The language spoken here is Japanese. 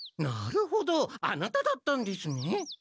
なるほどあなただったんですね。